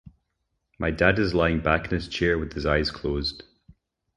My dad is lying back in his chair with his eyes closed.